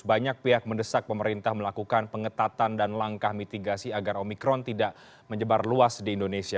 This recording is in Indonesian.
banyak pihak mendesak pemerintah melakukan pengetatan dan langkah mitigasi agar omikron tidak menyebar luas di indonesia